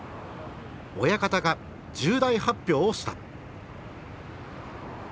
親方が重大発表をした。